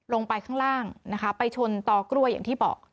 ลงไปข้างล่างนะคะไปชนต่อกล้วยอย่างที่บอก